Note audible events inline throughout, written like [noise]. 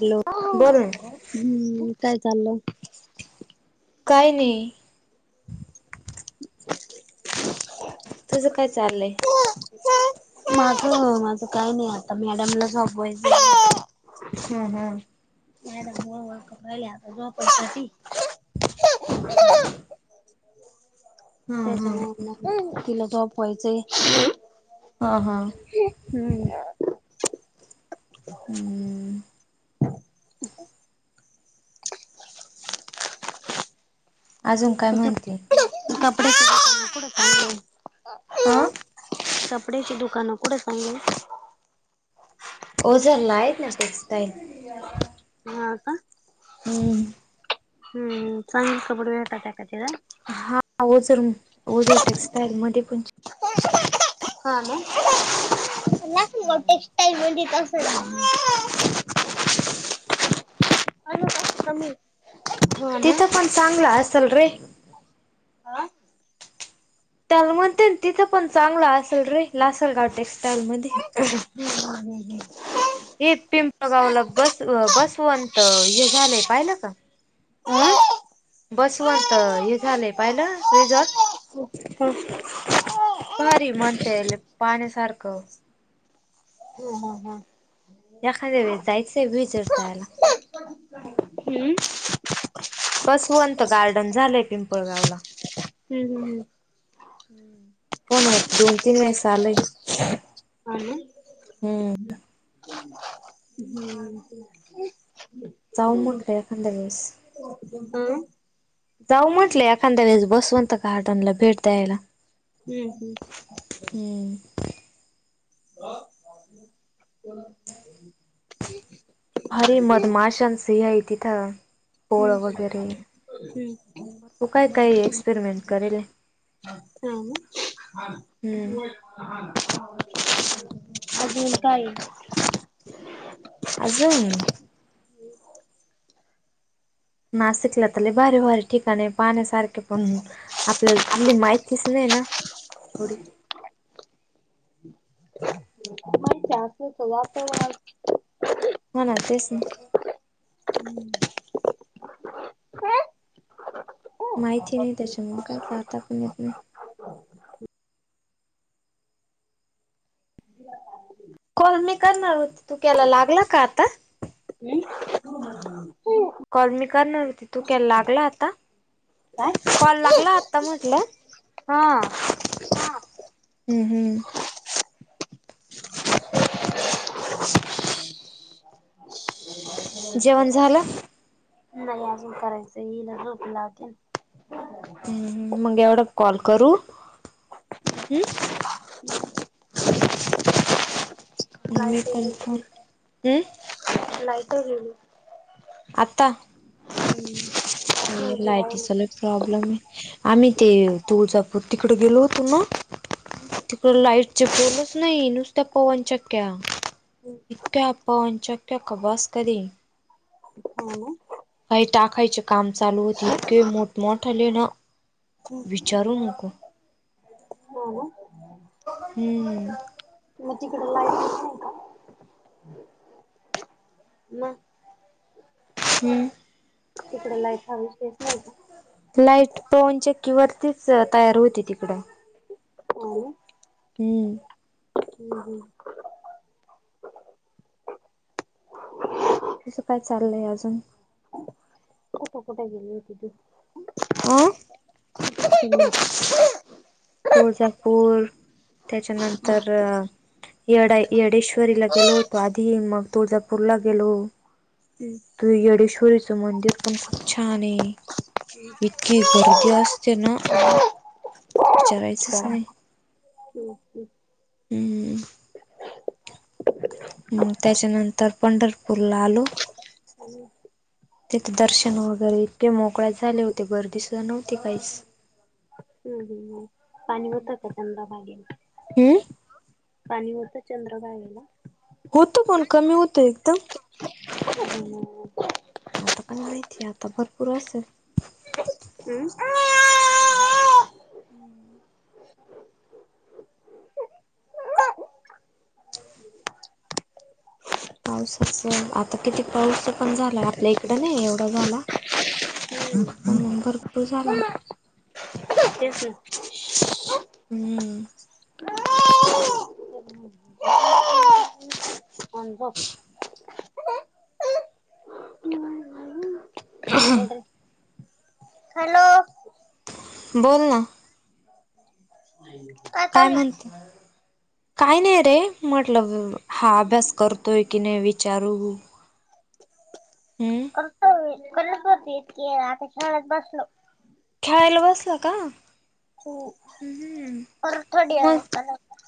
Hello बोल ना. हम्म काय चाललं? काय नी [inaudible] तुझं काय चाललंय? माझं माझं काही नाही आता मॅडमला झोपावयचा. हम्म हम्म. [unintelligible] [inaudible] हम्म हम्म त्याच्यामुळे म तिला झोपायचे. हा हां. हम्म. हम्म. अजून काय म्हणते? [unintelligible] आ? कपड्याची दुकानं कुठं चांगले आहे? ओझरला आहेत ना टेक्स्टाईल. हा का? हम्म. हम्म चांगले कपडे भेटाता का तिकडे? हा ओझन ओझर टेक्स्टाईल मध्ये पण हम्म. [unintelligible] [unintelligible] ना तिथं पण चांगलं असल रे. त्याला म्हणते तिथं पण चांगलं असेल रे लासलगाव टेक्स्टाईल मध्ये. हम्म हम्म हम्म. हे पिंपळगावला बस बसवंत हे झालंय पाहिलं का? बसवंत हे झालंय पाहिलं रिझॉर्ट? भारी म्हणतेल पाण्या सारखं. हो हा हा. एखाद्या वे जायचं वीजडतायला. हम्म. बसवंत गार्डन झालंय पिंपळगावला. हम्म हम्म हम्म. फोन वरती दोन-तीन मेस आलेय. हा ना. हम्म. जाऊ म्हटले खनदावीस. हम्म. जाऊ म्हटलं एखांद्या वेळेस बसवंत गार्डनला भेट द्यायला. हम्म हम्म. हम्म [inaudible] भारी मदमाशनस ही हाय तिथं. पोळ हम्म वगैरे हम्म मग तू काय काय एक्सपेरिमेंट करेले? हा हम्म ना. अजून काय? अजून नाशिकला तले भारी भारी ठिकाणे पाण्या सारखे पण आपल्याला ती माहिती खिसले ना थोडी [inaudible] [unintelligible] हो ना तेच ना. हम्म. माहिती नाही त्याच्यामुळं काय जाता पण येत नाही. कॉल मी करणार होती तू केला लागला का आता? अं? [unintelligible] कॉल मी करणार होती. तू का लागला आता, कॉल लागला आता म्हंटल. हम्म, हम्म. [inaudible] नाही जेवण झालं? अजून करायचं हाय. हिला झोप लावते हम्म हम्म, मग एवढा कॉल करू, हम्म? [inaudible] लाईट मी एक पण गेली. फोन हम्म लाईट गेली. आत्ता? हम्म. लाईटीचा लई प्रॉब्लेम आहे. आम्ही ते तुळजापूर तिकडे गेलो होतो ना तिकड लाईटचे पोलच नाही, नुसत्या पवन चक्क्या. इतक्या पवन चक्या क बास करी. हा ना? काही टाकायचे काम चालू होते इतके मोठमोठले ना विचारू नको. हो ना? हम्म. मग तिकड लाईटच नाही का? [unintelligible] हम्म तिकड लाईटचा हा विषयच नाही का? लाईट पवन चक्कीवरतीच तयार होती तिकडं. हा ना? हम्म. हम्म हम्म. तुझ काय चाललंय अजून? कुठं कुठं गेली होती तु? आं? [inaudible] तुळजापूर त्याच्यानंतर येडाई येडेश्वरीला गेलो होतो आधी, मग तुळजापूरला गेलो. हम्म. तु येडेश्वरीचं मंदिर पण खूप छान आहे. [unintelligible] इतकी गर्दी असते ना विचारायचंच नाही [unintelligible] तेच की. हम्म हम्म त्याच्यानंतर पंढरपूरला आलो. तिथं दर्शन वगैरे इतके मोकळ्यात झाले होते गर्दीसुद्धा नव्हती काहीच. हम्म, हम्म, हम्म. पाणी होतं का चंद्रभागेला? हम्म पाणी होतं चंद्रभागेला? होतं पण कमी होतं एकदम. [unintelligible] आता काय माहिती, आता भरपूर असलं. अं? हम्म. पाऊसाच आता किती पाऊस पण झाला आपल्या इकडं नाही एवढा झाला. हम्म करतोय जरा. तेच ना. हम्म. [inaudible] आणि झोप. [unintelligible] हॅलो. बोल ना. काय काय चालू म्हणती? काही नाही रे म्हंटल हा अभ्यास करतोय की नाही विचारू. हम्म [unintelligible] करतोय की आता खेळत बसलो. खेळायला बसला का? हो. परत थोड्या मग वेळात करायचा.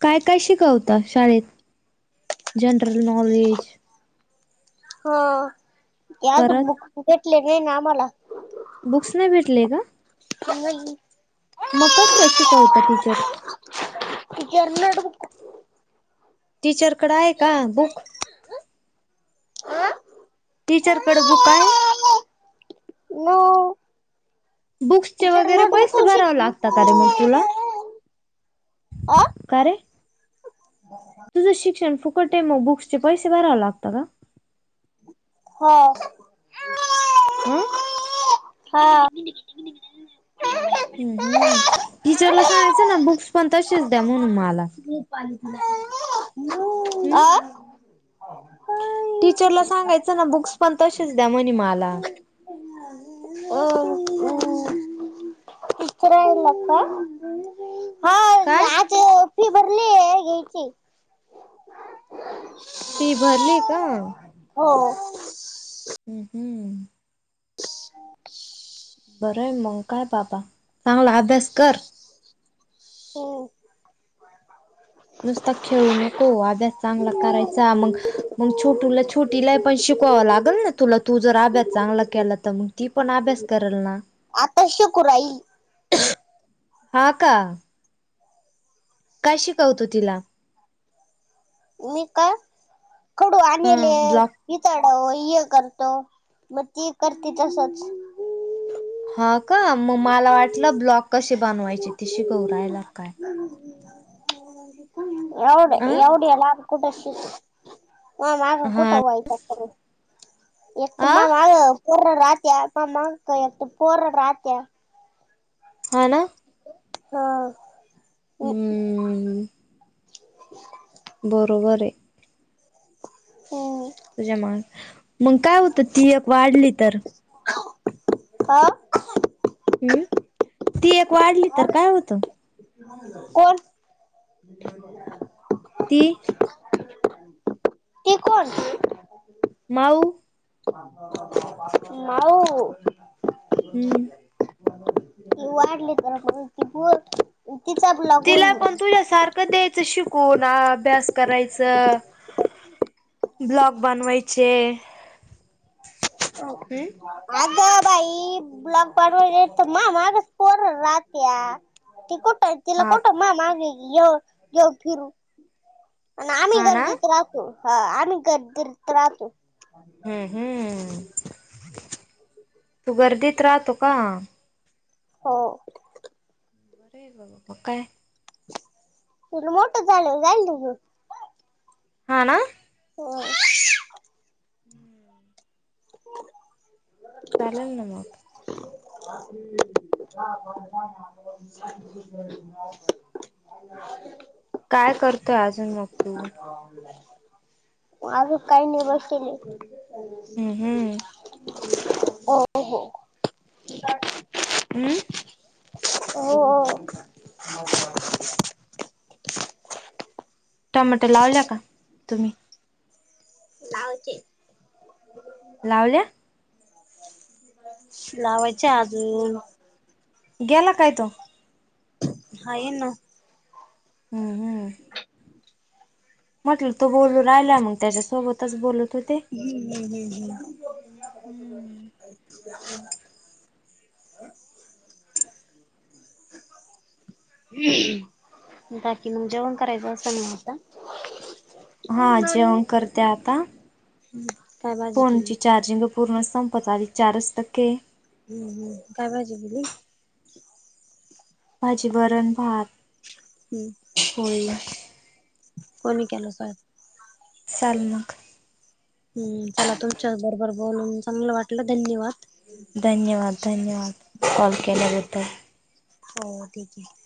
काय काय शिकवता शाळेत? जनरल नॉलेज हो त्यात परत बुक भेटले नाही ना मला. बुक्स नाही भेटले का? नाही. मग कस काय शिकवतात टीचर? टीचर नोटबुक टीचरकडं आहे का बुक? टीचरकडं बुक आहे? नाय. बुक्सचे वगैरे पैसे शिक भरावें लागतात अरे मग तुला? अ का रे? तुझं शिक्षण फुकट आहे, मग बुक्सचे पैसे भरावं लागतं का? हो. अं? हा. हम्म हम्म. टीचरला सांगायचं ना बुक्स पण तसेच द्या. म्हणून मला हम्म आ? टीचरला सांगायचं ना बुक्स पण तसेच द्या म्हणे मला. करायला का? काय? फि भरलीय ये की. फी भरली का. हो. हम्म, हम्म. [inaudible] बरं आहे मंग काय पापा, चांगला अभ्यास कर. हम्म. नुसता खेळू नको. अभ्यास चांगला करायचा मग मग छोटूला छोटीलाही पण शिकवावं लागल ना तुला. तू जर अभ्यास चांगला केला, तर मग ती पण अभ्यास करेला ना [unintelligible] हा का? काय शिकवतो तिला? [unintelligible] [unintelligible] हि हा ब्लॉक करतो मग ती करती तसंच. हा का मग मला वाटलं ब्लॉक कसे बनवायचे ते शिकवु राहिला काय. एवढ अं एवढ्या लांब कुठंशी माझ्या मागं हा कुठं वैताग करु. एक तर आ मा माग पोर राहत्या, मा माग एक पोर राहत्या. हा ना. हा. हम्म. बरोबर आहे. हम्म. त्याच्यामुळे मग काय होतं ती एक वाढली तर हा. हम्म ती एक वाढली तर काय होतं? कोण [inaudible] ती [unintelligible] माऊ [inaudible] [unintelligible] हम्म. [unintelligible] [unintelligible] [unintelligible] तिला पण तुझ्यासारखं द्यायचं शिकून अभ्यास करायचं ब्लॉग बनवयचे. [unintelligible] [unintelligible] हा. [unintelligible] [unintelligible] हा ना. [unintelligible] हम्म हम्म तू गर्दीत राहतो का? [unintelligible] म काय [unintelligible] हा ना. [unintelligible] [inaudible] चालेल ना मग. [inaudible] [inaudible] [inaudible] काय करतोय अजून मग तू? [inaudible] आजुन काही नाही बसलीय. हम्म, हम्म. हो, हो. [inaudible] अं? [unintelligible] [unintelligible] टामॅटो लावल्या का तुम्ही? लावायचे लावल्या लावायचे अजून. गेला काय तो? हाये ना. हम्म, हम्म. म्हटलं तो बोलून राहिला, मग त्याच्यासोबतच बोलत होते. हम्म, हम्म, हम्म, हम्म. [inaudible] बाकी मग जेवण करायचं असंल‌ ना आता? हा, जेवण करते आता. हं काय बा फोनची चार्जिंग पूर्णच संपत आली चारच टक्के हाय. हम्म, ‌ हम्म. काय भाजी केली? भाजी, वरण, भात. हम्म. होय. कोणी केला स्वयंपाक? चाल मग हम्म चला तुमच्या बरोबर बोलून चांगलं वाटलं धन्यवाद. धन्यवाद, धन्यवाद कॉल केल्याबद्दल. हो ठीक आहे.